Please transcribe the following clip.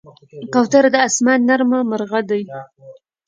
کوتره د آسمان نرمه مرغه ده.